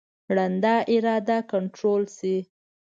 ړنده اراده کنټرول شي.